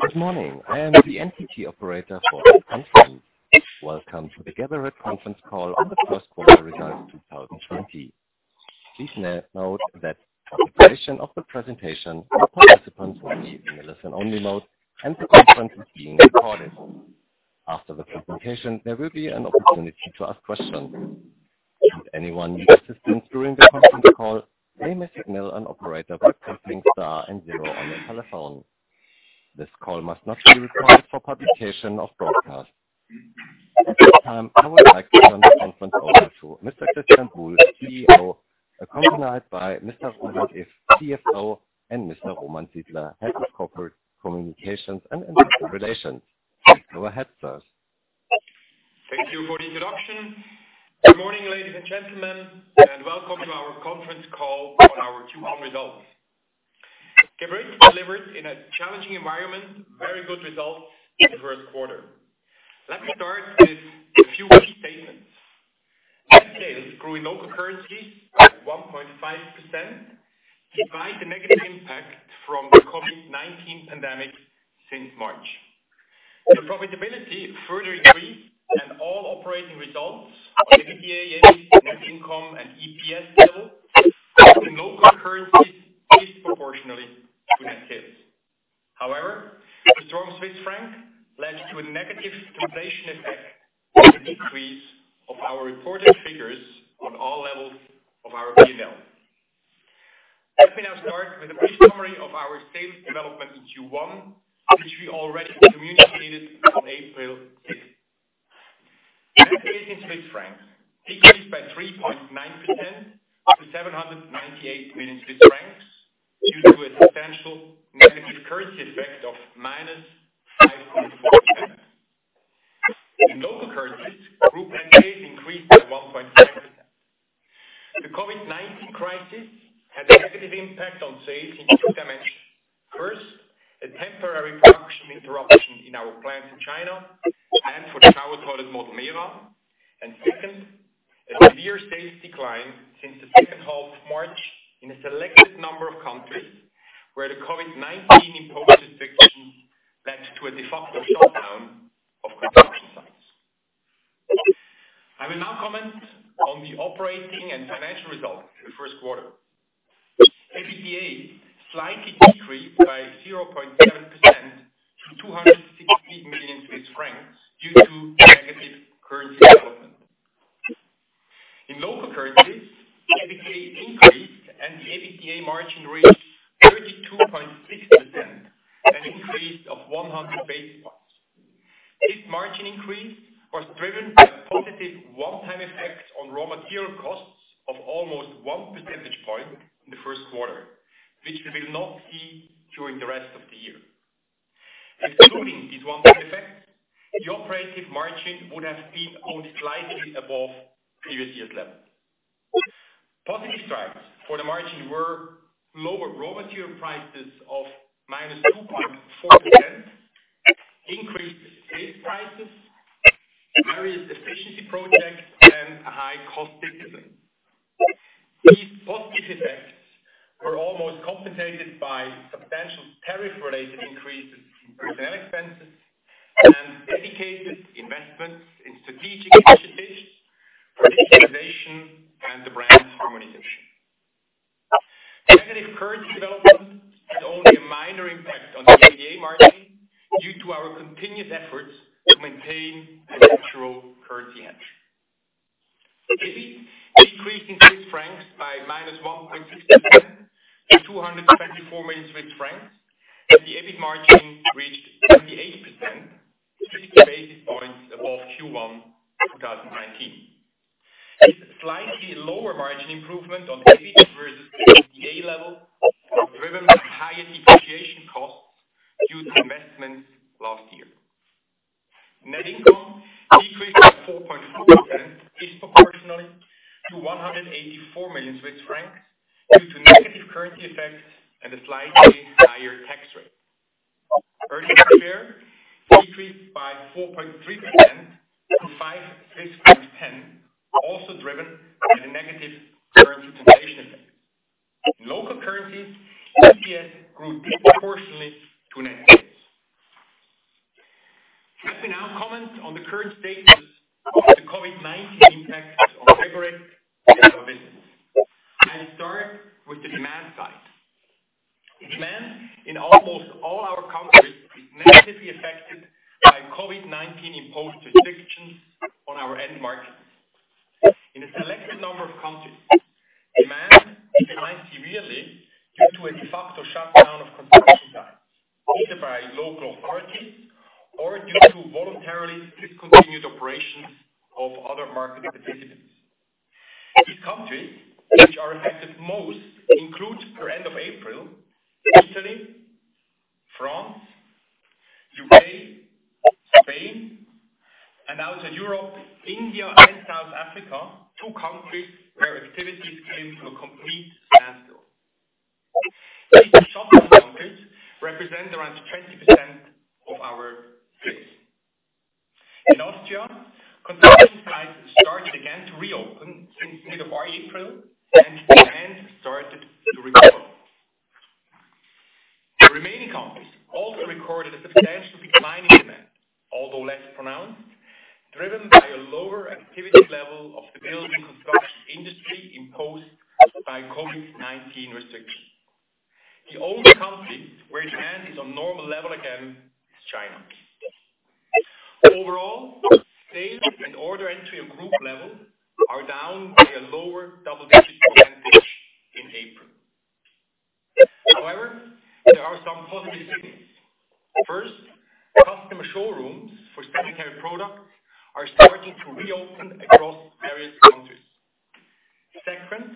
Good morning. I am the event operator for this conference. Welcome to the Geberit conference call on the first quarter results 2020. Please note that for the duration of the presentation, all participants will be in a listen-only mode, and the conference is being recorded. After the presentation, there will be an opportunity to ask questions. Should anyone need assistance during the conference call, they may signal an operator by pressing star and zero on their telephone. This call must not be recorded for publication or broadcast. At this time, I would like to turn the conference over to Mr. Christian Buhl, CEO, accompanied by Mr. Roland Iff, CFO, and Mr. Roman Sidler, Head of Corporate Communications and Investor Relations. Go ahead, sirs. Thank you for the introduction. Good morning, ladies and gentlemen, and welcome to our conference call on our Q1 results. Geberit delivered, in a challenging environment, very good results in the first quarter. Let me start with a few key statements. Net sales grew in local currencies by 1.5%, despite the negative impact from the COVID-19 pandemic since March. and all operating results on the EBITDA, net income, and EPS level, in local currencies, increased proportionally to net sales. However, the strong Swiss Franc led to a negative translation effect and a decrease of our reported figures on all levels of our P&L. Let me now start with a brief summary of our sales development in Q1, which we already communicated on April 6th. Net sales in Swiss Franc decreased by 3.9% to 798 million francs due to a substantial negative currency effect of -5.4%. In local currencies, group net sales increased by 1.5%. The COVID-19 crisis had a negative impact on sales in two dimensions. First, a temporary production interruption in our plants in China and for the shower toilet model Mera. Second, a severe sales decline since the second half of March in a selected number of countries where the COVID-19 imposed restrictions led to a de facto shutdown of construction sites. I will now comment on the operating and financial results for the first quarter. EBITDA slightly decreased by 0.7% to 260 million Swiss francs due to negative currency development. In local currencies, EBITDA increased and the EBITDA margin reached 32.6%, an increase of 100 basis points. This margin increase was driven by a positive one-time effect on raw material costs of almost 1 percentage point in the first quarter, which we will not see during the rest of the year. Excluding this one-time effect, the operating margin would have been only slightly above previous year's level. Positive drivers for the margin were lower raw material prices of -2.4%, increased sales prices, various efficiency projects, and a high-cost discipline. These positive effects were almost compensated by substantial tariff-related increases in personnel expenses and dedicated investments in strategic initiatives for digitalization and the brand harmonization. The negative currency development had only a minor impact on the EBITDA margin due to our continuous efforts to maintain a natural currency hedge. EBIT decreased in Swiss Franc by -1.2% to 224 million Swiss francs, and the EBIT margin reached 28%, 60 basis points above Q1 2019. This slightly lower margin improvement on the EBIT versus EBITDA level was driven by higher depreciation costs due to investments last year. Net income decreased by 4.4% disproportionally to 184 million Swiss francs due to negative currency effects and a slightly higher tax rate. Earnings per share decreased by 4.3% to CHF 5.60, also driven by the negative currency translation effect. In local currencies, EPS grew proportionally to net sales. Let me now comment on the current status of the COVID-19 impact on Geberit and our business. I will start with the demand side. Demand in almost all our countries is negatively affected by COVID-19 imposed restrictions on our end markets. In a selected number of countries, demand declined severely due to a de facto shutdown of construction sites, either by local authorities or due to voluntarily discontinued operations of other market participants. These countries, which are affected most, include, per end of April, Italy, France, U.K., Spain, and outside Europe, India and South Africa, two countries where activities came to a complete standstill. These shutdown countries represent around 20% of our sales. Last year, again to reopen and by April, demand started to recover. The remaining countries also recorded a substantial decline in demand, although less pronounced, driven by a lower activity level of the building construction industry imposed by COVID-19 restrictions. The only country where demand is on normal level again is China. Overall, sales and order entry at group level are down by a lower double-digit percentage in April. However, there are some positive signals. First, customer showrooms for sanitary products are starting to reopen across various countries. Second,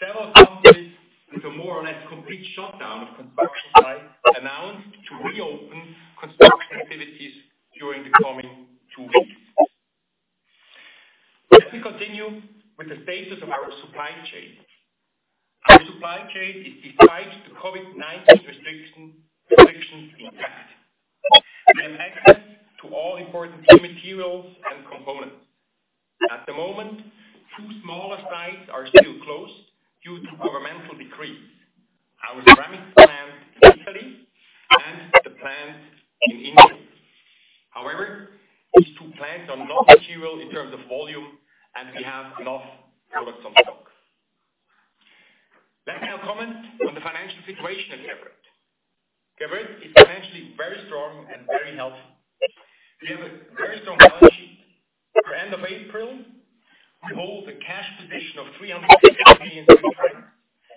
several countries with a more or less complete shutdown of construction sites announced to reopen construction activities during the coming two weeks. Let me continue with the status of our supply chain. Our supply chain is, despite the COVID-19 restrictions, intact, and access to all important key materials and components. At the moment, two smaller sites are still closed due to governmental decrees, our ceramics plant in Italy and the plant in India. However, these two plants are not material in terms of volume, and we have enough products on stock. Let me now comment on the financial situation at Geberit. Geberit is financially very strong and very healthy. We have a very strong balance sheet. For end of April, we hold a cash position of 350 million Swiss francs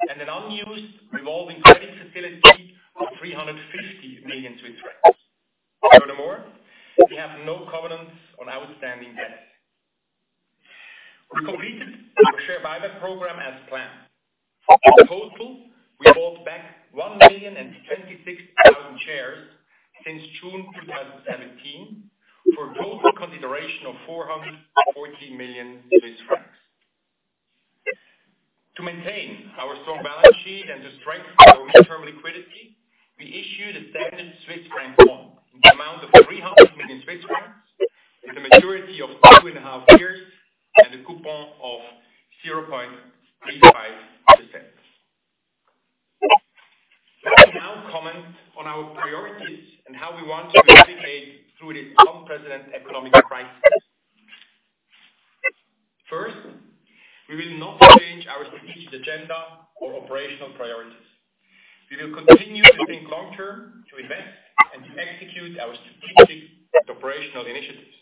and an unused revolving credit facility of 350 million Swiss francs. Furthermore, we have no covenants on outstanding debt. We completed our share buyback program as planned. In total, we bought back 1,026,000 shares since June 2017 for a total consideration of 440 million Swiss francs. To maintain our strong balance sheet and to strengthen our interim liquidity, we issued a standard Swiss Franc bond in the amount of 300 million Swiss francs with a maturity of two and a half years and a coupon of 0.35%. Let me now comment on our priorities and how we want to navigate through this unprecedented economic crisis. First, we will not change our strategic agenda or operational priorities. We will continue to think long-term, to invest, and to execute our strategic and operational initiatives.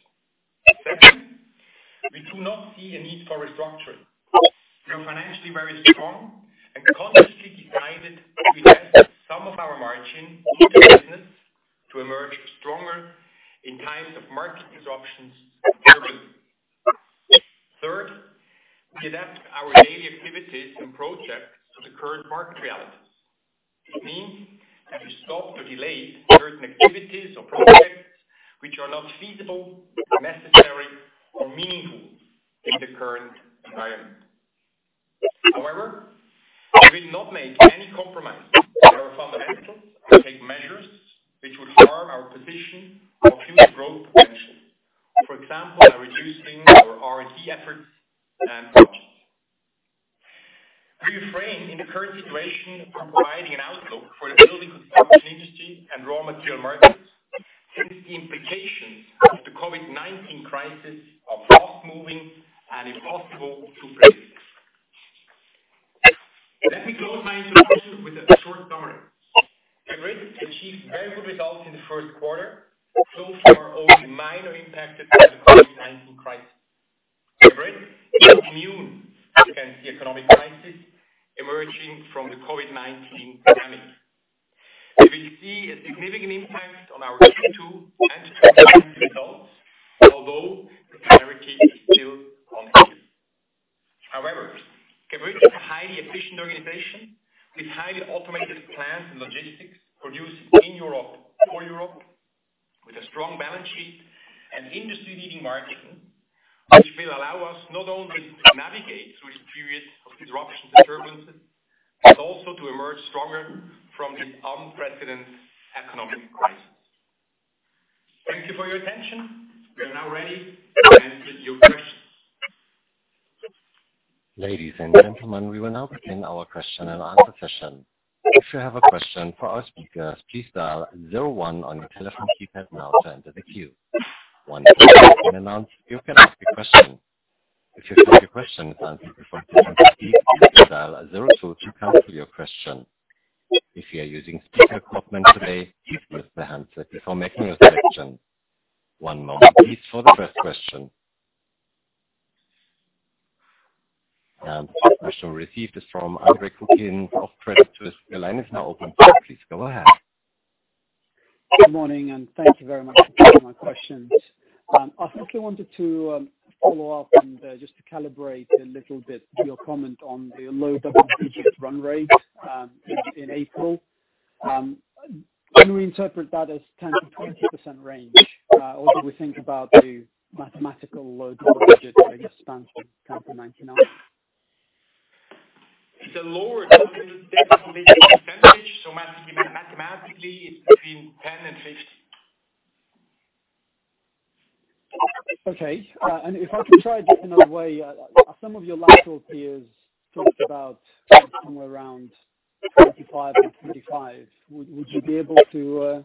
Second, we do not see a need for restructuring. We are financially very strong and consciously decided to invest some of our margin into the business to emerge stronger in times of market disruptions and turbulence. Third, we adapt our daily activities and projects to the current market realities. It means that we stop or delay certain activities or projects which are not feasible, necessary, or meaningful in the current environment. However, we will not make any compromise on our fundamentals or take measures which would harm our position or future growth potential. For example, by reducing our R&D efforts and costs. We refrain, in the current situation, from providing an outlook for the building construction industry and raw material markets, since the implications of the COVID-19 crisis are fast-moving and impossible to predict. Let me close my introduction with a short summary. Geberit achieved very good results in the first quarter. Only minor impacted by the COVID-19 crisis. Geberit is immune against the economic crisis emerging from the COVID-19 pandemic. We see a significant impact on our H2 and 2020 results, although the clarity is still unclear. However, Geberit is a highly efficient organization with highly automated plants and logistics producing in Europe for Europe, with a strong balance sheet and industry-leading marketing, which will allow us not only to navigate through this period of disruption and turbulence, but also to emerge stronger from this unprecedented economic crisis. Thank you for your attention. We are now ready to answer your questions. Ladies and gentlemen, we will now begin our question-and-answer session. If you have a question for our speakers, please dial zero one on your telephone keypad now to enter the queue. Once you are announced, you can ask your question. If you think your question is answered before pressing the key, please dial zero two to cancel your question. If you are using speaker equipment today, please mute the handset before making your selection. One moment please for the first question. The first question received is from Andre Kukhnin of Credit Suisse. Your line is now open. Please go ahead. Good morning and thank you very much for taking my questions. I firstly wanted to follow up and just to calibrate a little bit to your comment on the low double-digit run rate in April. Can we interpret that as 10%-20% range? Alsl, do we think about the mathematical low double digits, like spanning 10%-19%? The lower double-digit percentage, so mathematically it's between 10% and 15%. Okay. If I can try a different way, some of your lateral peers talked about somewhere around 25% and 35%. Would you be able to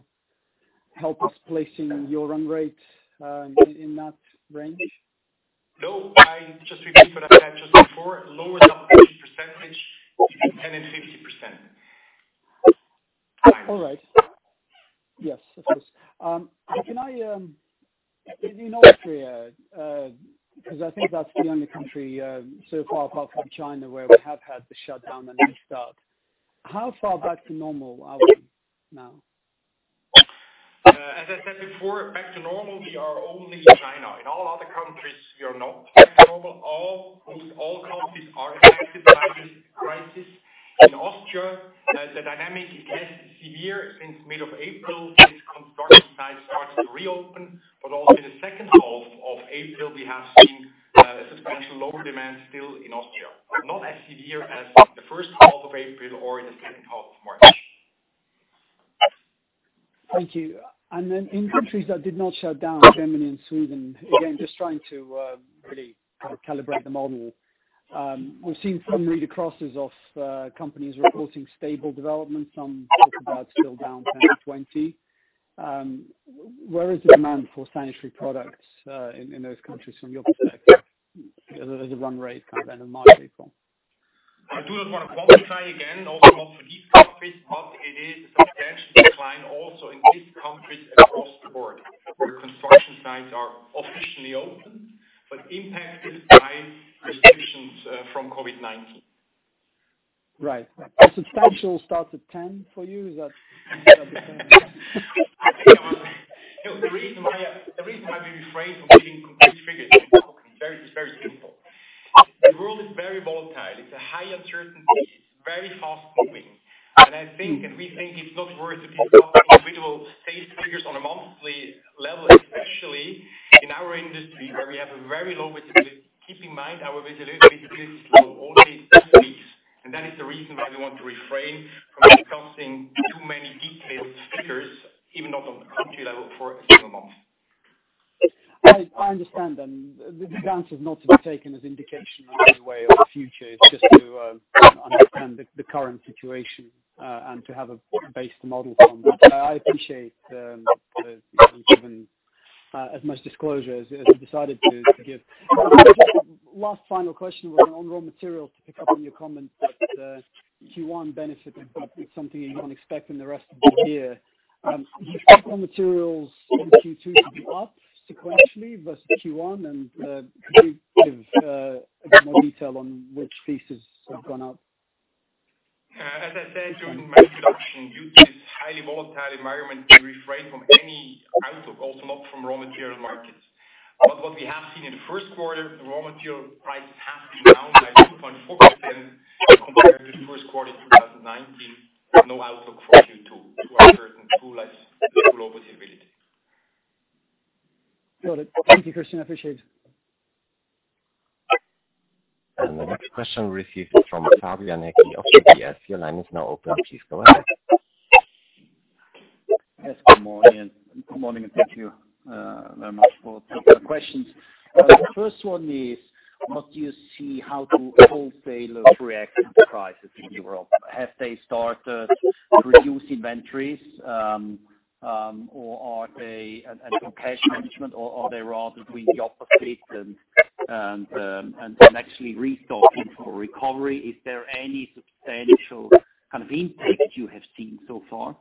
help us placing your run rate in that range? No, I just repeat what I said just before, lower double-digit percentage, between 10% and 15%. All right. Yes, of course. In Austria, because I think that is the only country so far apart from China, where we have had the shutdown and restart, how far back to normal are we now? As I said before, back to normal, we are only in China. In all other countries, we are not back to normal. Almost all countries are affected by this crisis. In Austria, the dynamic it has is severe since mid of April since construction sites started to reopen, but also in the second half of April, we have seen a substantially lower demand still in Austria. Not as severe as the first half of April or the second half of March. Thank you. Then in countries that did not shut down, Germany and Sweden, again, just trying to really calibrate the model. We've seen from read-acrosses of companies reporting stable development, some talk about still down 10%, 20%. Where is the demand for sanitary products in those countries from your perspective, as a run rate kind of annual market for them? I do not want to quantify, again, also not for these countries, but it is a substantial decline also in these countries across the board, where construction sites are officially open but impacted by restrictions from COVID-19. Right. Substantial starts at 10% for you? Is that? No, the reason why we refrain from giving complete figures is very simple. The world is very volatile. It's a high uncertainty. It's very fast-moving. I think, and we think it's not worth to discuss individual state figures on a monthly level, especially in our industry, where we have a very low visibility. Keep in mind, our visibility is low, only two weeks. That is the reason why we want to refrain from discussing too many detailed figures, even not on country level for a single month. I understand. The answer is not to be taken as indication either way of the future. It's just to understand the current situation and to have a base to model from. I appreciate being given as much disclosure as you decided to give. Last final question was on raw material to pick up on your comment that Q1 benefit is something you don't expect in the rest of the year. Do you expect raw materials in Q2 to be up sequentially versus Q1, and could you give a bit more detail on which pieces have gone up? As I said during my introduction, due to this highly volatile environment, we refrain from any outlook, also not from raw material markets. But what we have seen in the first quarter, the raw material prices have been down by 2.4% compared to the first quarter 2019. No outlook for Q2. Too uncertain, too less visibility. Got it. Thank you, Christian. I appreciate it. The next question received is from Fabian Haecki of UBS. Your line is now open. Please go ahead. Yes, good morning, and thank you very much for taking the questions. The first one is, what do you see, how do wholesalers react to the crisis in Europe? Have they started to reduce inventories and cash management, or are they rather doing the opposite and actually restocking for recovery? Is there any substantial kind of impact you have seen so far?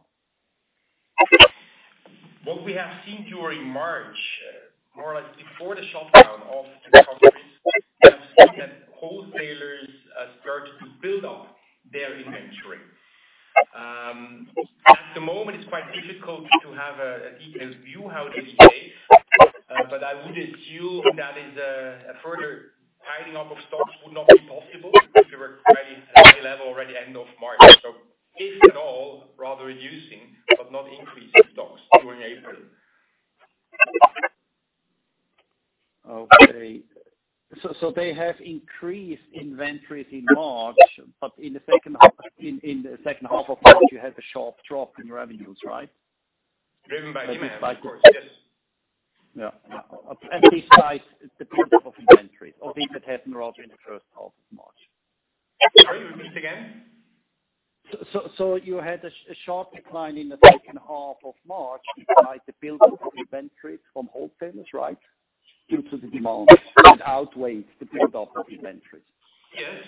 What we have seen during March, more or less, before the shutdown of the countries, we have seen that wholesalers started to build up their inventory. At the moment, it is quite difficult to have a detailed view how it is today, but I would assume that a further piling up of stocks would not be possible because they were at a very high level already end of March. If at all, rather reducing, but not increasing stocks during April. Okay. So, they have increased inventories in March, but in the second half of March, you had a sharp drop in revenues, right? Driven by demand, of course, yes. Yeah. At least by the build-up of inventories or things that happened rather in the first half of March. Sorry, repeat again. So, you had a sharp decline in the second half of March despite the build-up of inventories from wholesalers, right? Due to the demand and outweighed the build-up of inventories. Yes.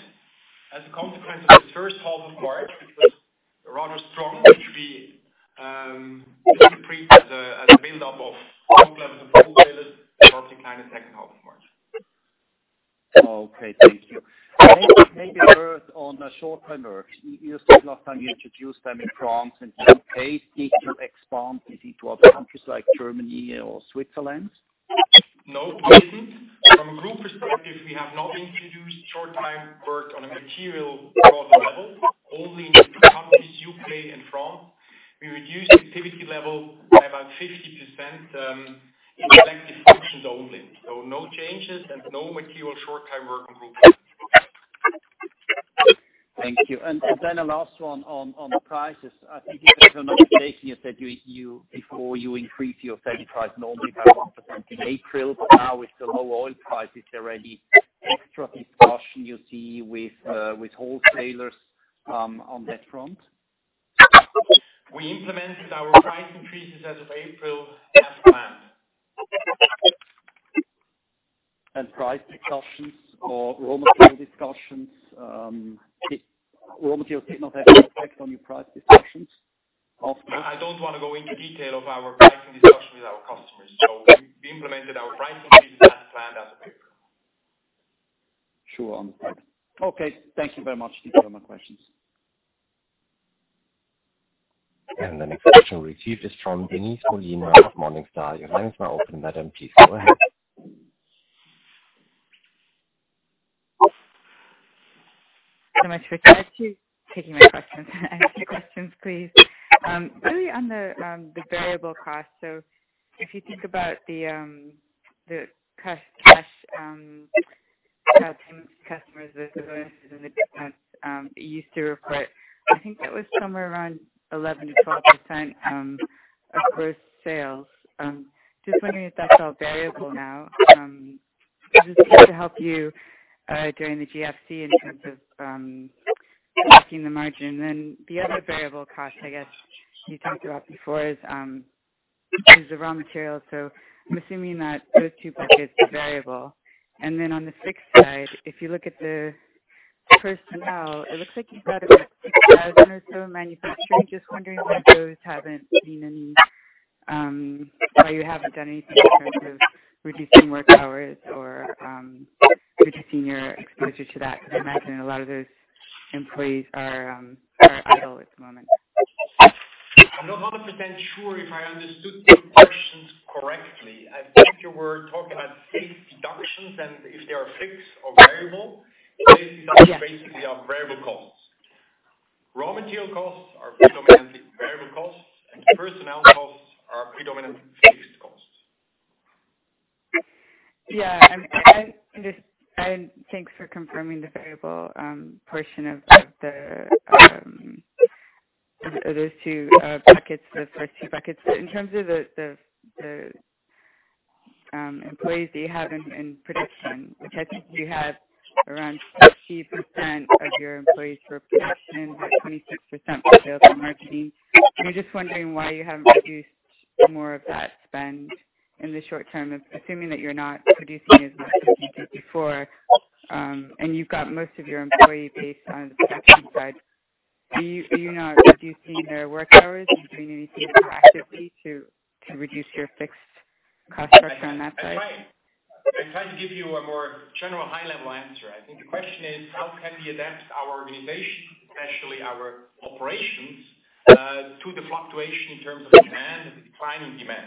As a consequence of the first half of March, which was rather strong, which we think prepped the build-up of stock levels of wholesalers, sharp decline in the second half of March. Okay, thank you. Maybe a word on short-time work. You said last time you introduced them in France and the U.K. Did you expand it into other countries like Germany or Switzerland? No, we didn't. From a group perspective, we have not introduced short-time work on a material group level, only in the two countries, U.K. and France. We reduced activity level by about 50% in selected functions only. No changes and no material short-time work on group level. Thank you. And a last one on the prices. I think in your presentation, you said before you increase your sales price normally by 1% in April, but now, with the low oil prices already, extra discussion you see with wholesalers on that front? We implemented our price increases as of April as planned. Price discussions or raw material discussions, raw material did not have any effect on your price discussions? I don't want to go into detail of our pricing discussion with our customers. We implemented our price increases as planned as of April. Sure. Understood. Okay. Thank you very much. These are all my questions. The next question received is from Denise Molina of Morningstar. Your line is now open, madam. Please go ahead. Thank you so much for taking my questions. I have two questions, please. Really, on the variable cost, so, if you think about the cash payments to customers, vendors, and the difference that you used to report, I think that was somewhere around 11%-12% of gross sales. Just wondering if that's all variable now, because it helped you during the GFC in terms of marking the margin. Then, the other variable cost, I guess, you talked about before is the raw material. I'm assuming that those two buckets are variable. Then, on the fixed side, if you look at the personnel, it looks like you've got about 6,000 or so manufacturers, just wondering why you haven't done anything in terms of reducing work hours or reducing your exposure to that, because I imagine a lot of those employees are idle at the moment. I'm not 100% sure if I understood your questions correctly. I think you were talking about sales deductions and if they are fixed or variable. Sales deductions basically are variable costs. Raw material costs are predominantly variable costs, and personnel costs are predominant fixed costs. Yeah. Thanks for confirming the variable portion of those two buckets, the first two buckets. In terms of the employees that you have in production, which I think you have around 15% of your employees for production, like 26% for sales and marketing. I'm just wondering why you haven't reduced more of that spend in the short term, assuming that you're not producing as much as you did before, and you've got most of your employee base on the production side. Are you not reducing their work hours and doing anything proactively to reduce your fixed cost structure on that side? That's right. I try to give you a more general high-level answer. I think the question is how can we adapt our organization, especially our operations, to the fluctuation in terms of demand and declining demand.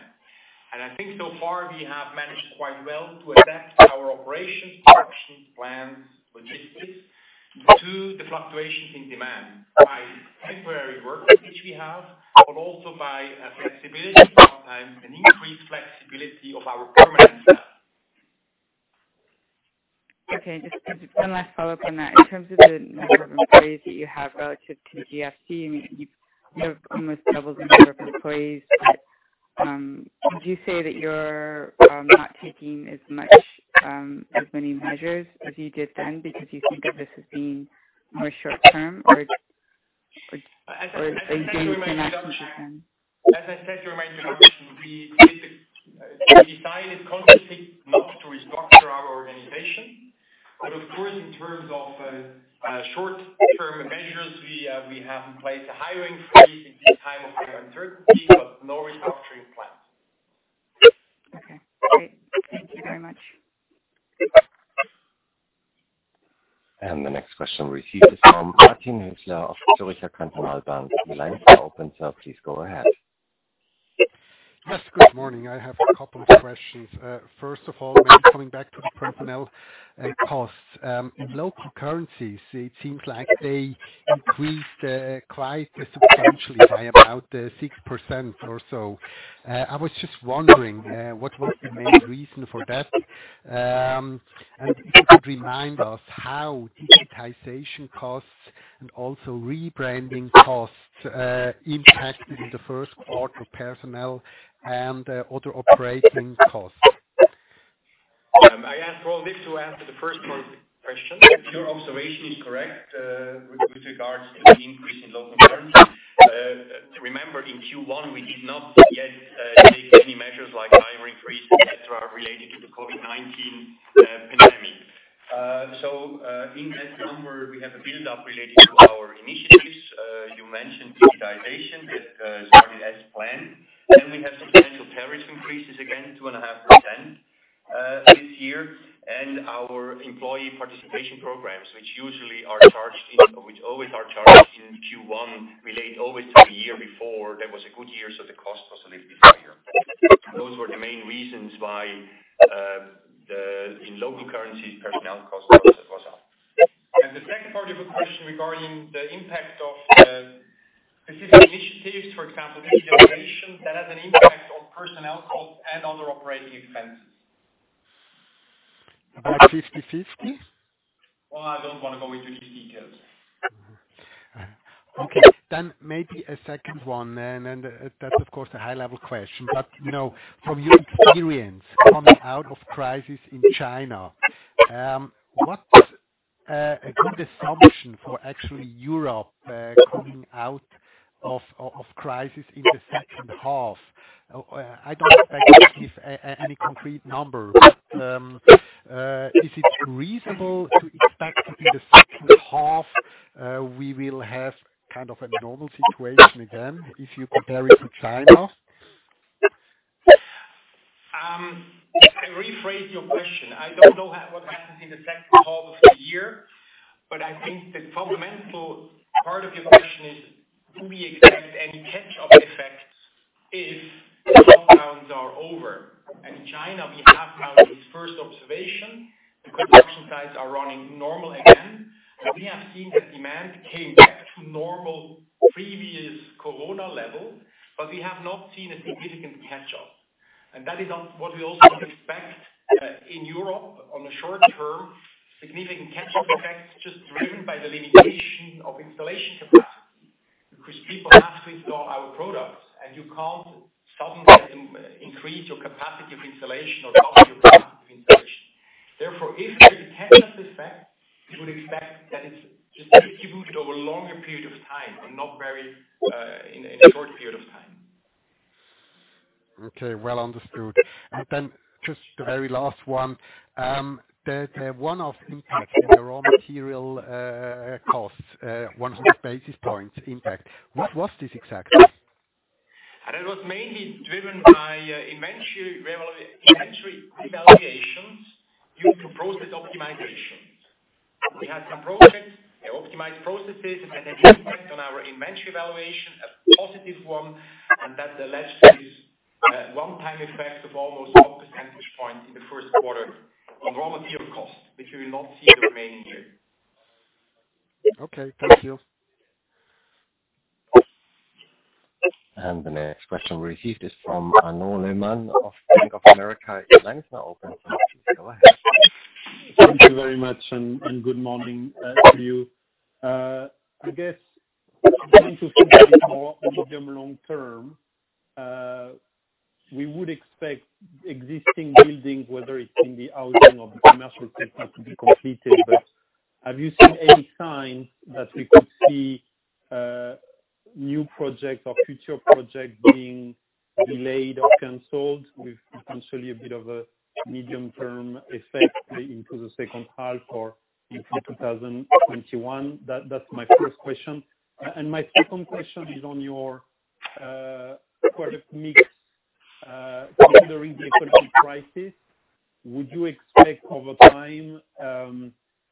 I think, so far, we have managed quite well to adapt our operations, production, plans, logistics to the fluctuations in demand by temporary workers, which we have, but also by flexibility part-time and increased flexibility of our permanent staff. Okay. Just one last follow-up on that. In terms of the number of employees that you have relative to the GFC, you have almost doubled the number of employees. Would you say that you're not taking as many measures as you did then because you think of this as being more short-term or again, cannot determine? As I said in my introduction, we decided consciously not to restructure our organization. Of course, in terms of short-term measures, we have in place a hiring freeze in this time of uncertainty, but no restructuring plans. Okay, great. Thank you very much. The next question received is from Martin Hüsler of Zürcher Kantonalbank. Your line is now open, sir. Please go ahead. Yes, good morning. I have a couple of questions. First of all, maybe coming back to the personnel costs. In local currencies, it seems like they increased quite substantially by about 6% or so. I was just wondering what was the main reason for that, and if you could remind us how digitization costs and also rebranding costs impacted in the first quarter personnel and other operating costs. May I ask for all this to answer the first part of the question? Your observation is correct with regards to the increase in local currency. Remember, in Q1, we did not yet take any measures like hiring freeze, et cetera, related to the COVID-19 pandemic. In that number, we have a build-up related to our initiatives. You mentioned digitization. That started as planned. We have substantial tariff increases, again, 2.5% this year, and our employee participation programs, which always are charged in Q1, relate always to the year before. That was a good year, so the cost was a little bit higher. Those were the main reasons why, in local currency, personnel cost was up. The second part of your question regarding the impact of specific initiatives, for example, digitization, that has an impact on personnel costs and other operating expenses. About 50/50? Well, I don't want to go into these details. Okay. Maybe a second one then, and that's of course a high-level question, but, you know, from your experience, coming out of crisis in China, what's a good assumption for actually Europe, coming out of crisis in the second half? I don't expect you to give any concrete number, but is it reasonable to expect that in the second half, we will have kind of a normal situation again if you compare it to China? I rephrase your question. I don't know what happens in the second half of the year, but I think the fundamental part of your question is, do we expect any catch-up effects if the lockdowns are over? In China, we have now this first observation. The production sites are running normal again, and we have seen that demand came back to normal previous corona level, but we have not seen a significant catch-up. That is not what we also expect in Europe on the short term, significant catch-up effects just driven by the limitation of installation capacity, because people have to install our products and you can't suddenly increase your capacity of installation or double your capacity of installation. Therefore, if there is a catch-up effect, you would expect that it's distributed over a longer period of time and not in a short period of time. Okay. Well understood. Then just the very last one, the one-off impact in the raw material costs, 100 basis points impact. What was this exactly? That was mainly driven by inventory revaluations due to process optimizations. We had some projects, we optimized processes and had an impact on our inventory valuation, a positive one, and that led to this one-time effect of almost 1 percentage point in the first quarter on raw material cost, which we will not see in the remaining year. Okay. Thank you. The next question received is from Arnaud Lehmann of Bank of America. Your line is now open, sir. Please go ahead. Thank you very much, and good morning, to you. I guess, going to something more medium long term, we would expect existing buildings, whether it's in the housing or the commercial sector, to be completed, but have you seen any sign that we could see new projects or future projects being delayed or canceled with potentially a bit of a medium-term effect into the second half or into 2021? That's my first question. My second question is on your product mix. Considering the economic crisis, would you expect, over time,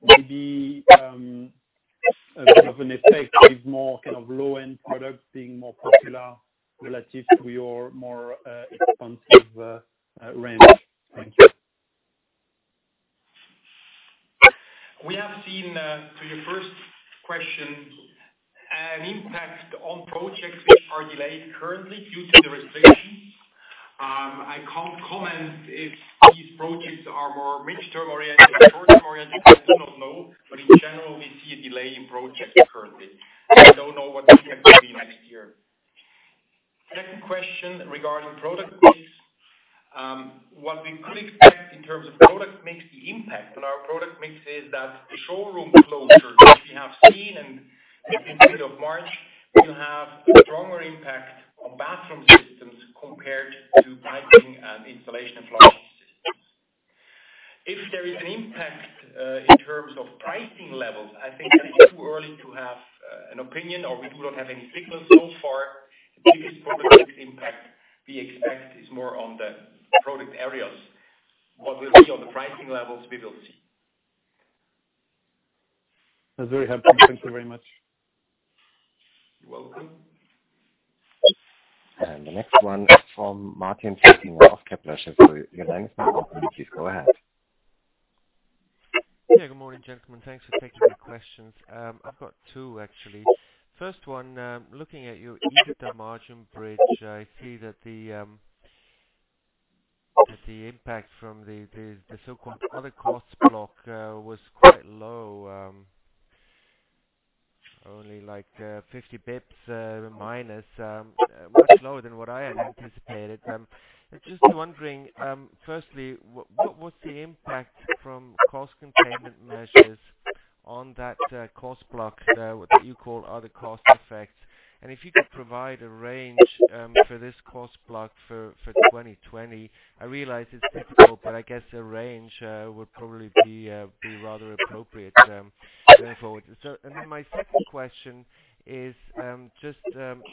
maybe, sort of an effect with more low-end products being more popular relative to your more expensive range? Thank you. We have seen, to your first question, an impact on projects which are delayed currently due to the restrictions. I can't comment if these projects are more mid-term oriented or short-term oriented. I do not know, but in general, we see a delay in projects currently. I don't know what the impact will be next year. Second question regarding product mix. What we could expect in terms of product mix, the impact on our product mix is that the showroom closures which we have seen in the middle of March will have a stronger impact on Bathroom Systems compared to Piping and Installation and Flushing Systems. If there is an impact in terms of pricing levels, I think that it is too early to have an opinion or we do not have any signals so far. The biggest product mix impact we expect is more on the product areas. What will be on the pricing levels, we will see. That's very helpful. Thank you very much. You're welcome. The next one is from Martin Flueckiger of Kepler Cheuvreux. Your line is now open. Please go ahead. Yeah, good morning, gentlemen. Thanks for taking the questions. I've got two, actually. First one, looking at your EBITDA margin bridge, I see that the impact from the so-called other costs block was quite low, only like 50 basis points minus, much lower than what I had anticipated. I'm just wondering, firstly, what was the impact from cost containment measures on that cost block, what you call other cost effects? If you could provide a range for this cost block for 2020. I realize it's difficult, but I guess a range would probably be rather appropriate going forward. My second question is just some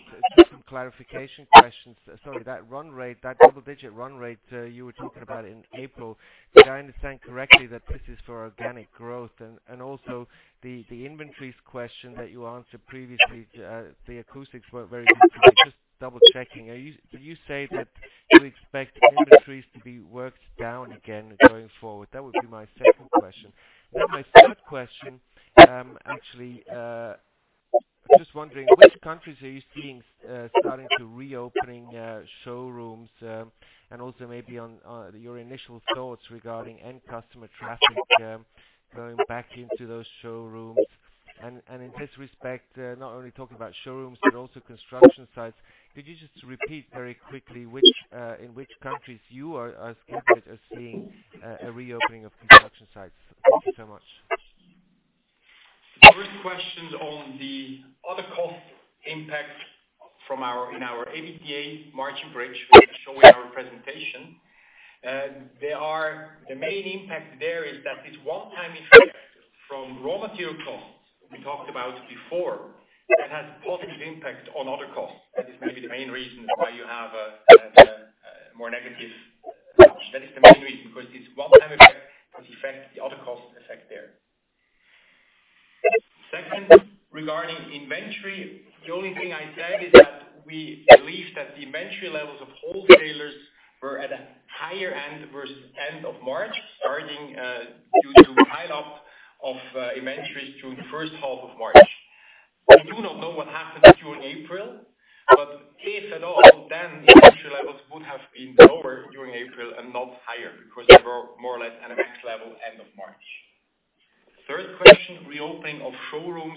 clarification questions. Sorry, that run rate, that double-digit run rate you were talking about in April, did I understand correctly that this is for organic growth? And also, the inventories question that you answered previously, the acoustics were very good. Just double-checking, do you say that you expect inventories to be worked down again going forward? That would be my second question. My third question, actually, just wondering, which countries are you seeing starting to reopen showrooms? Also, maybe, on your initial thoughts regarding end customer traffic going back into those showrooms and in this respect, not only talking about showrooms, but also construction sites, could you just repeat very quickly in which countries you are seeing a reopening of construction sites? Thank you so much. The first question on the other cost impact in our EBITDA margin bridge, which show in our presentation, the main impact there is that this one-time effect from raw material costs we talked about before, it has a positive impact on other costs. That is maybe the main reason why you have a more negative margin. That is the main reason, because this one-time effect does affect the other cost effect there. Second, regarding inventory, the only thing I said is that we believe that the inventory levels of wholesalers were at a higher end versus end of March, starting due to pileup of inventories during the first half of March. We do not know what happened during April, but if at all, then the inventory levels would have been lower during April and not higher because they were more or less at a max level end of March. Third question, reopening of showrooms.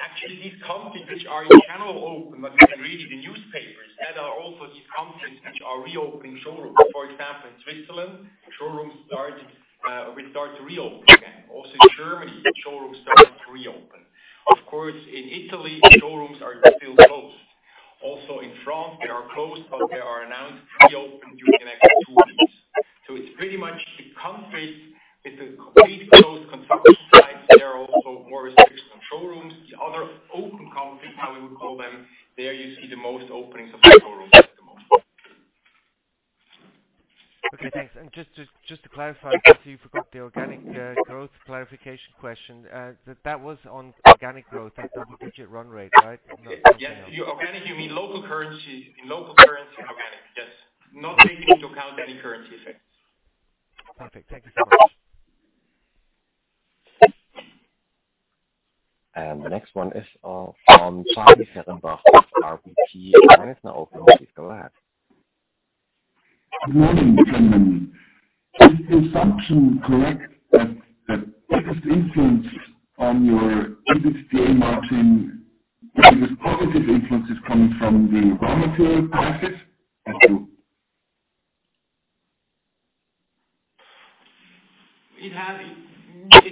Actually, these countries which are in general open, like you can read in the newspapers, that are also these countries which are reopening showrooms. For example, in Switzerland, showrooms will start to reopen again. Also in Germany, showrooms started to reopen. Of course, in Italy, showrooms are still closed. Also in France, they are closed, but they are announced to reopen during the next two weeks. So, it's pretty much the countries with the completely closed construction sites, they are also more restricted on showrooms. The other open countries, how we would call them, there you see the most openings of the showrooms at the moment. Okay, thanks. Just to clarify, in case you forgot the organic growth clarification question, that was on organic growth, that double-digit run rate, right? Yes. Organic, you mean local currency, local currency organic. Yes. Not taking into account any currency effects. Perfect. Thank you so much. The next one is from [Charlie Ferrenbach] of [RPG]. Your line is now open. Please go ahead. Good morning, gentlemen. Is the assumption correct that the biggest influence on your EBITDA margin, the biggest positive influence is coming from the raw material prices? Thank you.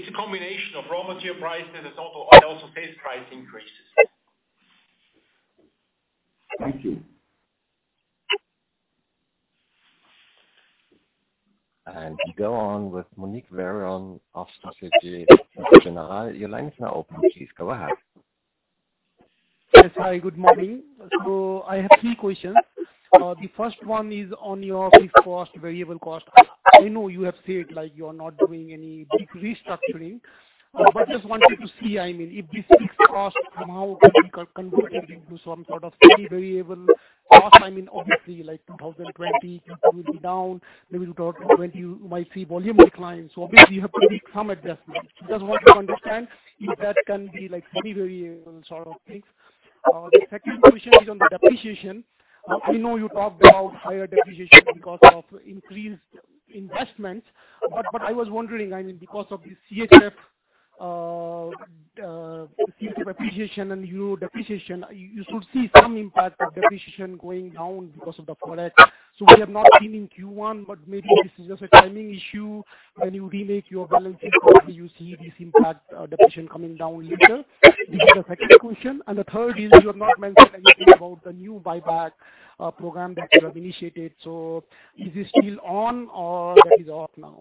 It's a combination of raw material prices and also base price increases. Thank you. We go on with [Monique Veron] of Societe Generale. Your line is now open. Please go ahead. Yes. Hi, good morning. I have three questions. The first one is on your fixed cost, variable cost. I know you have said like you are not doing any big restructuring, but just wanted to see, I mean, if these fixed costs somehow can be converted into some sort of semi-variable cost. I mean, obviously, 2020 will be down. Maybe 2021, you might see volume decline. Obviously, you have to make some adjustments. Just want to understand if that can be like semi-variable sort of things. The second question is on the depreciation. I know you talked about higher depreciation because of increased investments, but I was wondering, I mean, because of the CHF, the case of appreciation and euro depreciation, you should see some impact of depreciation going down because of the Forex. We have not seen in Q1, but maybe this is just a timing issue. When you remake your balance sheet, probably you see this impact, depreciation coming down later. This is the second question, and the third is you have not mentioned anything about the new buyback program that you have initiated. Is it still on or that is off now?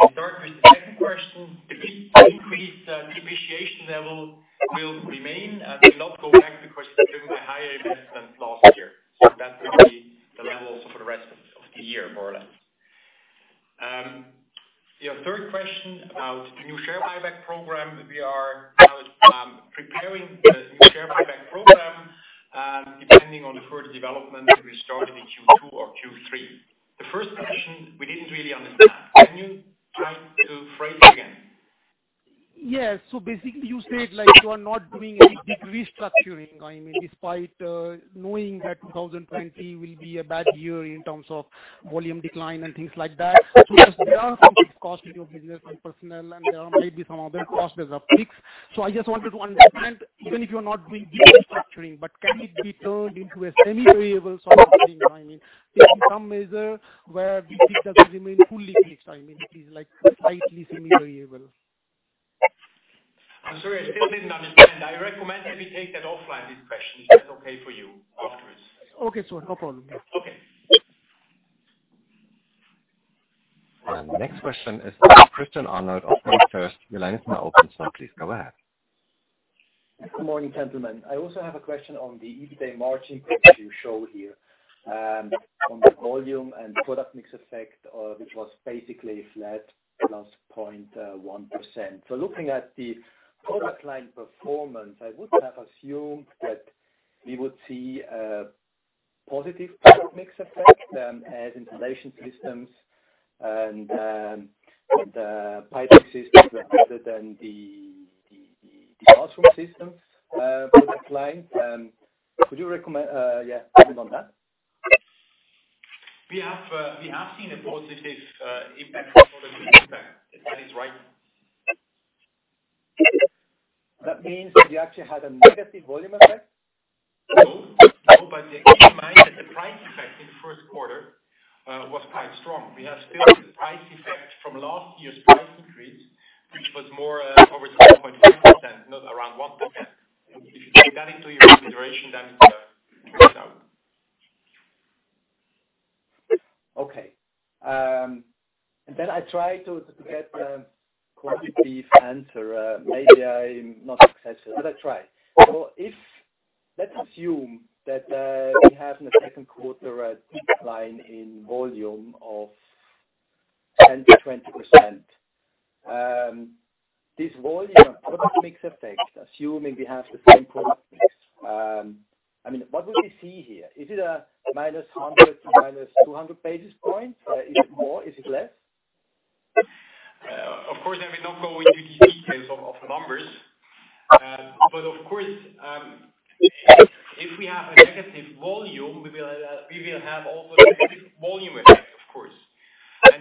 I'll start with the second question. The increased depreciation level will remain and will not go back because we are doing a higher investment last year. That will be the level for the rest of the year, more or less. Your third question about the new share buyback program. We are now preparing the new share buyback program, and depending on the further development, we will start in the Q2 or Q3. The first question, we didn't really understand. Can you try to phrase it again? Yeah. Basically, you said you are not doing any big restructuring, I mean, despite knowing that 2020 will be a bad year in terms of volume decline and things like that. There are some fixed costs in your business, like personnel, and there are maybe some other costs that are fixed. I just wanted to understand, even if you're not doing big restructuring, can it be turned into a semi-variable sort of thing? I mean, can be some measure where it doesn't remain fully fixed? I mean, it is slightly semi-variable. I'm sorry, I still didn't understand. I recommend that we take that offline, this question, if that's okay for you, afterwards. Okay, sure. No problem. Okay. The next question is from Christian Arnold of MainFirst. Your line is now open. Please go ahead. Good morning, gentlemen. I also have a question on the EBITDA margin growth you show here, on the volume and product mix effect, which was basically flat plus 0.1%. Looking at the product line performance, I would have assumed that we would see a positive product mix effect as Installation Systems and the Piping Systems rather than the Bathroom Systems for the decline. Could you comment on that? We have seen a positive impact from product mix. That is right. That means that you actually had a negative volume effect? No, you might get the price effect in the first quarter was quite strong. We have still the price effect from last year's price increase, which was more over 12.5%, not around 1%. If you take that into your consideration, then it works out. Okay. Then I try to get a qualitative answer. Maybe I'm not successful, but I try. Let's assume that we have in the second quarter a decline in volume of 10%-20%. This volume of product mix effect, assuming we have the same product mix, what would we see here? Is it -100 to -200 basis points? Is it more, is it less? Of course, I will not go into the details of numbers. But of course, if we have a negative volume, we will have also a negative volume effect, of course.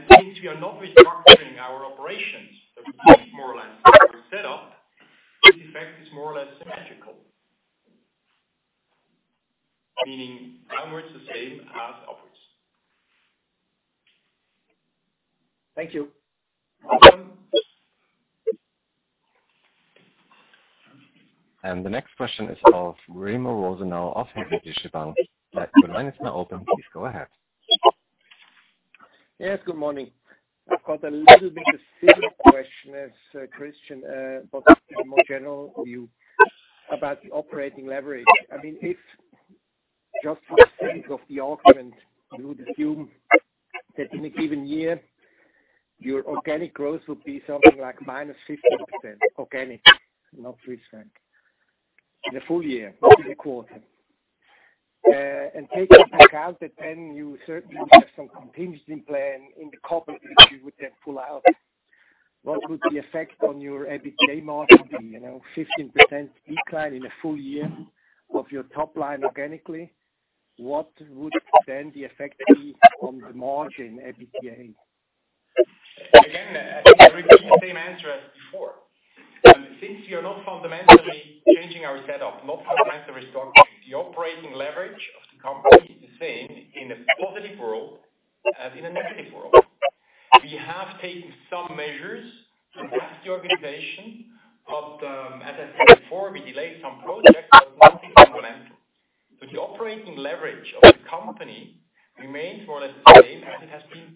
Since we are not restructuring our operations, we keep more or less the same setup, this effect is more or less symmetrical. Meaning, downwards the same as upwards. Thank you. Welcome. The next question is of Remo Rosenau of Helvetische Bank. Your line is now open. Please go ahead. Yes, good morning. I've got a little bit of a similar question as Christian, a more general view about the operating leverage. I mean, if, just for sake of the argument, you would assume that in a given year, your organic growth would be something like -15%, organic, not Swiss Franc, in a full year, not in a quarter. Taking into account that then you certainly would have some contingency plan in the cupboard that you would then pull out, what would the effect on your EBITDA margin be? You know, 15% decline in a full year of your top line organically, what would then the effect be on the margin EBITDA? Again, I repeat the same answer as before. Since we are not fundamentally changing our setup, not fundamentally restructuring, the operating leverage of the company is the same in a positive world as in a negative world. We have taken some measures to adapt the organization. As I said before, we delayed some projects, but nothing fundamental. The operating leverage of the company remains more or less the same as it has been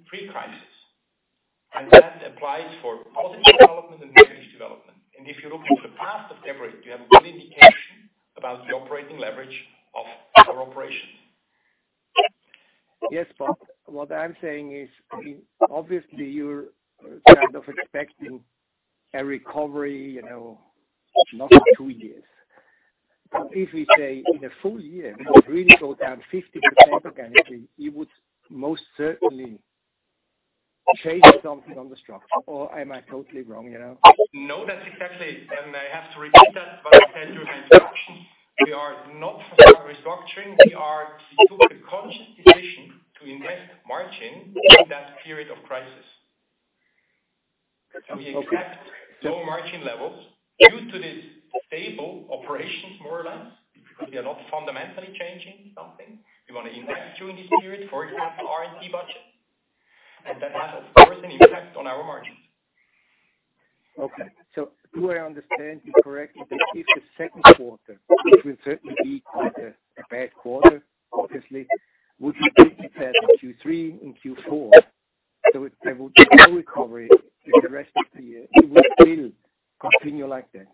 pre-crisis. That applies for positive development and negative development. If you look at the past of Geberit, you have a good indication about the operating leverage of our operations. Yes. But what I'm saying is, obviously, you're kind of expecting a recovery, not in two years. If we say in a full year, it would really go down 50% organically, you would, most certainly, change something on the structure, or am I totally wrong here? No, that's exactly. I have to repeat that what I said during my introduction. We are not fundamentally restructuring. We are, we took the conscious decision to invest margin in that period of crisis. Okay. We accept lower margin levels due to this stable operations, more or less, because we are not fundamentally changing something. We want to invest during this period, for example, R&D budget, and that has, of course, an impact on our margins. Okay. Do I understand you correctly that if the second quarter, which will certainly be quite a bad quarter, obviously, would you keep the path in Q3 and Q4, so there would be no recovery through the rest of the year? It would still continue like that.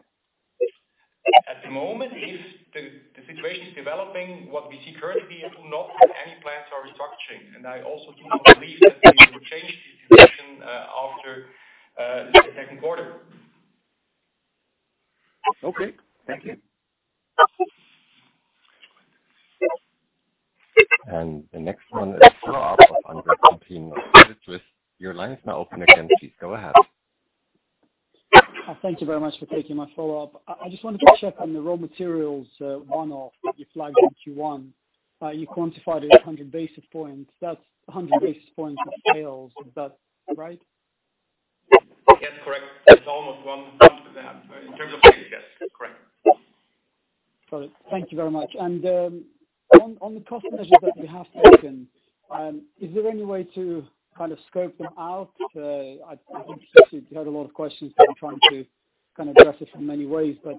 At the moment, if the situation is developing what we see currently, we do not have any plans for restructuring. I also do not believe that we will change this decision after the second quarter. Okay. Thank you. The next one is a follow-up from Andre Kukhnin of Credit Suisse. Your line is now open again, please go ahead. Thank you very much for taking my follow-up. I just wanted to check on the raw materials one-off that you flagged in Q1. You quantified it at 100 basis points. That's 100 basis points of sales. Is that right? Yes, correct. It's almost 1%. In terms of sales, yes. Correct. Got it. Thank you very much. On the cost measures that you have taken, is there any way to kind of scope them out? I think you had a lot of questions, so I'm trying to kind of address it in many ways. But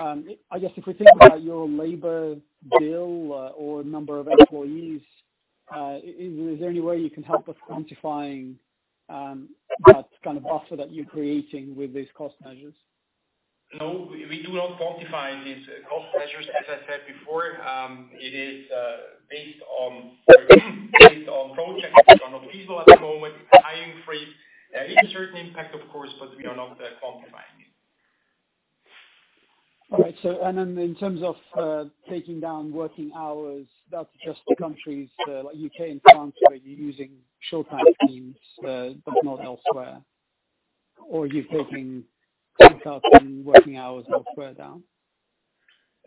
I guess if we think about your labor bill or number of employees, is there any way you can help us quantifying that kind of buffer that you're creating with these cost measures? No, we do not quantify these cost measures. As I said before, it is based on projects that are not feasible at the moment, hiring freeze. It has a certain impact, of course, but we are not quantifying. All right. In terms of taking down working hours, that's just the countries like U.K. and France where you're using short time schemes, but not elsewhere? Are you taking 10,000 working hours elsewhere down?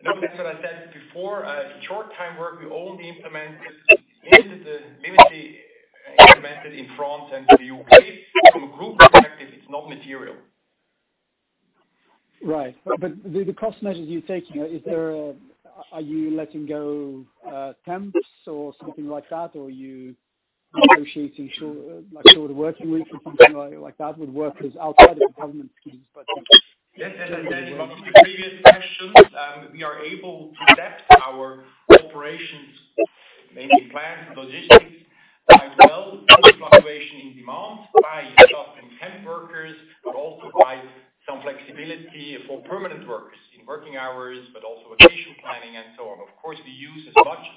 No, that's what I said before. Short time work, we only implemented, limitedly implemented in France and the U.K. From a group perspective, it's not material. Right. The cost measures you're taking, are you letting go temps or something like that? Or are you negotiating short working weeks or something like that with workers outside of the government schemes? Yes, as I said in one of the previous questions, we are able to adapt our operations, mainly plants and logistics, by both fluctuation in demand by using temp workers, but also by some flexibility for permanent workers in working hours, but also vacation planning and so on. Of course, we use as much as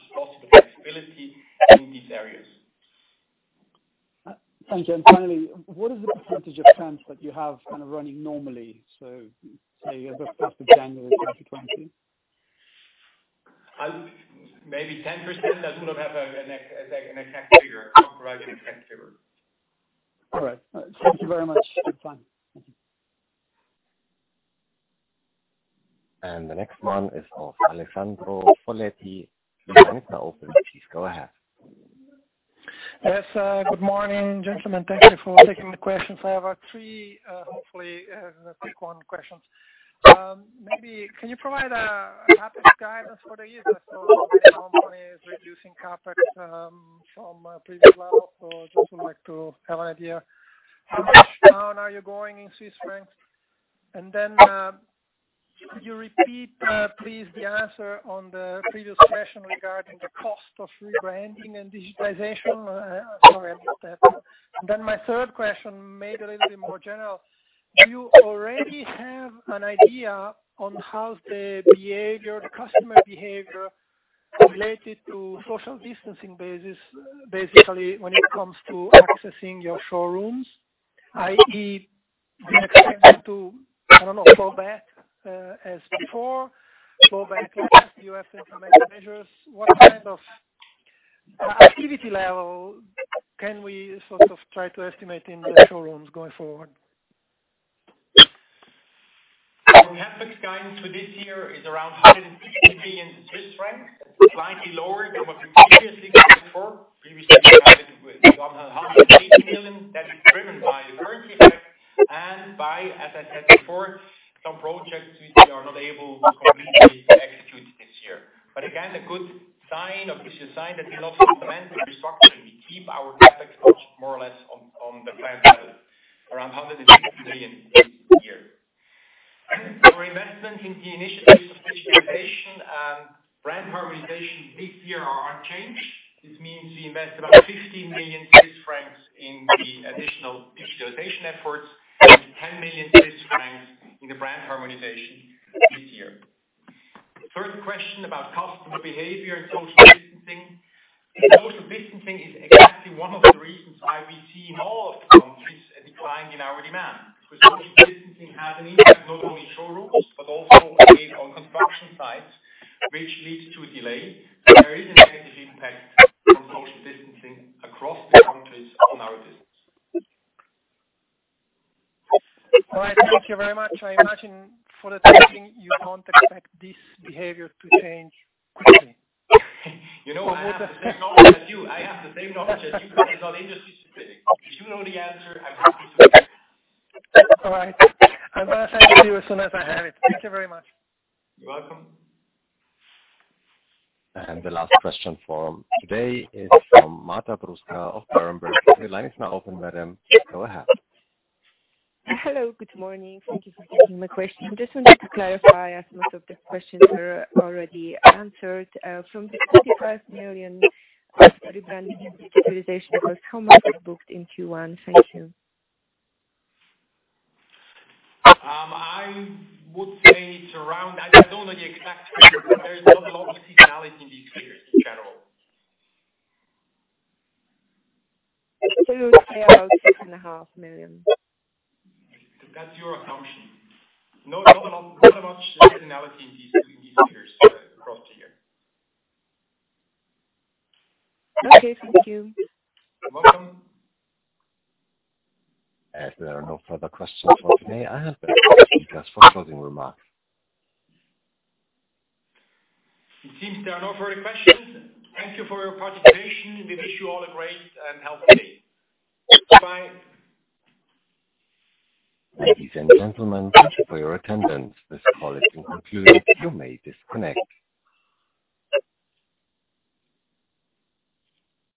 possible flexibility in these areas. Thank you. Finally, what is the percentage of plants that you have kind of running normally, so say as of January 2020? Maybe 10%. I don't have an exact figure, a compromising exact figure. All right. Thank you very much. Goodbye. Thank you. The next one is of Alessandro Foletti, your line is now open. Please, go ahead. Yes. Good morning, gentlemen. Thank you for taking the questions. I have three, hopefully, quick questions. Maybe, can you provide a CapEx guidance for the year? I saw the company is reducing CapEx from previous levels. Just would like to have an idea, how much down are you going in Swiss Franc? And then, could you repeat, please, the answer on the previous question regarding the cost of rebranding and digitalization? Sorry about that. My third question, maybe a little bit more general. Do you already have an idea on how the customer behavior related to social distancing basis, basically when it comes to accessing your showrooms, i.e., do you expect them to, I don't know, go back as before? Go back, or do you have to implement measures? What kind of activity level can we sort of try to estimate in the showrooms going forward? Our CapEx guidance for this year is around 150 million Swiss francs, slightly lower than what we previously guided for. Previously, we guided 180 million. That is driven by the currency effect and by, as I said before, some projects which we are not able to completely execute this year. Again, the good sign, or we should sign that we also implement the restructuring. We keep our CapEx budget more or less on the planned level, around 150 million this year. Our investment in the initiatives of digitalization and brand harmonization this year are unchanged. This means we invest about 15 million Swiss francs in the additional digitalization efforts and 10 million Swiss francs in the brand harmonization this year. Third question about customer behavior and social distancing. Social distancing is exactly one of the reasons why we see in all of the countries a decline in our demand, because social distancing has an impact not only in showrooms, but also on construction sites, which leads to a delay. There is a negative impact from social distancing across the countries on our business. All right. Thank you very much. I imagine, for the time being, you can't expect this behavior to change quickly. You know, I have the same knowledge as you. I have the same knowledge as you, but it's all industry specific. If you know the answer, I'm happy to hear it. All right. I'm going to send it to you as soon as I have it. Thank you very much. You're welcome. The last question for today is from Marta Bruska of Berenberg. Your line is now open, madam. Please go ahead. Hello, good morning. Thank you for taking my question. I just wanted to clarify, as most of the questions were already answered. From the 25 million for rebranding and digitalization costs, how much is booked in Q1? Thank you. I would say it's around, I don't know the exact figure, but there is not a lot of seasonality in these figures in general. CHF 2 million, CHF 3 million, or CHF 6.5 million? That's your assumption. Not much seasonality in these figures across the year. Okay, thank you. You're welcome. As there are no further questions for today, I ask our speakers for closing remarks. It seems there are no further questions. Thank you for your participation. We wish you all a great and healthy day. Goodbye. Ladies and gentlemen, thank you for your attendance. This call has been concluded. You may disconnect.